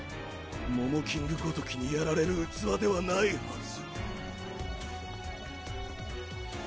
モモキングごときにやられる器ではないはず。